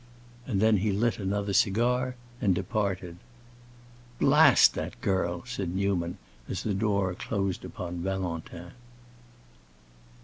And then he lit another cigar and departed. "Blast that girl!" said Newman as the door closed upon Valentin.